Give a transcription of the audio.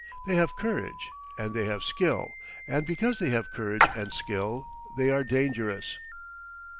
They have courage, and they have skill, and because they have courage and skill they are dangerous.